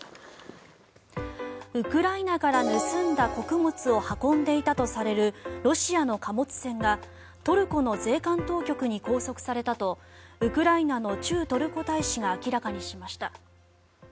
ウクライナから盗んだ穀物を運んでいたとされるロシアの貨物船がトルコの税関当局に拘束されたとウクライナの駐トルコ大使が明らかにしました。